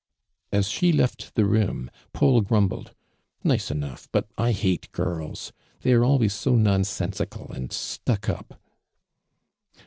As she left the room. Paul grumbled. " Nice enough, but 1 hate girls ! The^ t re always so nonsensical and stuck up